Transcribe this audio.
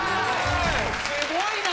すごいな！